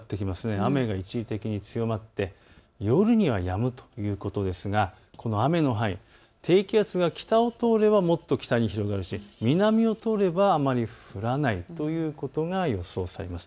雨が一時的に強まって夜にはやむということですがこの雨の範囲、低気圧が北を通れば、もっと北に広がるし南を通ればあまり降らないということが予想されます。